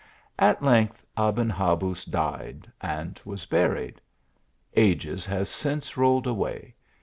At length, Aben Habuz died and was buried. Ages have since rolled away.